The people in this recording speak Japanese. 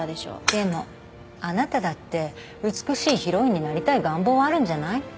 でもあなただって美しいヒロインになりたい願望はあるんじゃない？